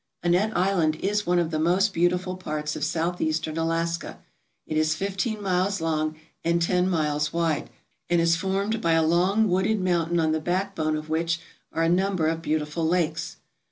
Annette Island is one of the most beautiful parts of Southeastern Alaska. It is fifteen miles long and ten miles wide, and is formed by a long wooded mountain on the backbone of which are a number of beautiful lakes.